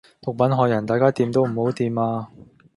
毒品害人，大家掂都唔好掂呀！